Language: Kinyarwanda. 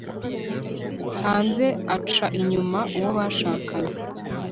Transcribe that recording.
hanze, aca inyuma uwo bashakanye